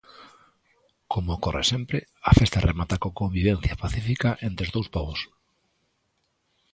Coma ocorre sempre, a festa remata coa convivencia pacífica entre os dous pobos.